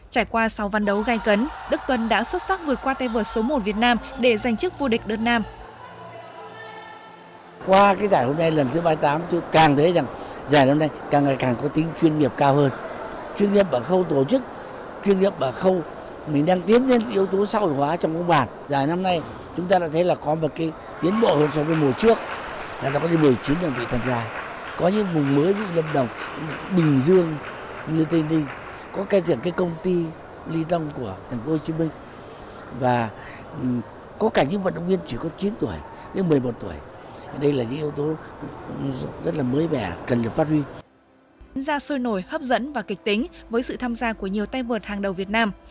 trải qua sáu văn đấu gai cấn đức tuân đã xuất sắc vượt qua te vượt số một việt nam để giành chức vô địch đơn nam